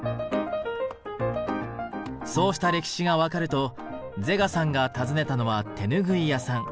そうした歴史が分かるとゼガさんが訪ねたのは手拭い屋さん。